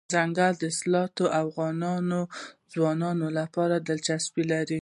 دځنګل حاصلات د افغان ځوانانو لپاره دلچسپي لري.